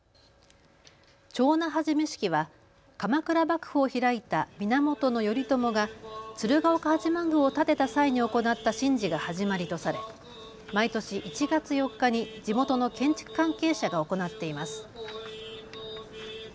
手斧始式は鎌倉幕府を開いた源頼朝が鶴岡八幡宮を建てた際に行った神事が始まりとされ毎年１月４日に地元の建築関係者が行っています。